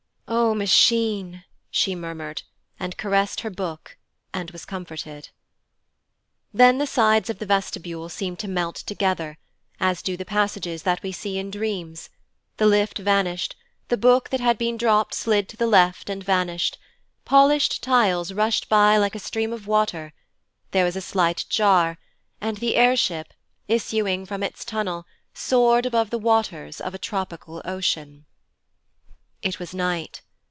'O Machine!' she murmured, and caressed her Book, and was comforted. Then the sides of the vestibule seemed to melt together, as do the passages that we see in dreams, the lift vanished, the Book that had been dropped slid to the left and vanished, polished tiles rushed by like a stream of water, there was a slight jar, and the air ship, issuing from its tunnel, soared above the waters of a tropical ocean. It was night.